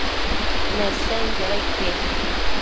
Nesenquioda ique?